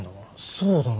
そうだな。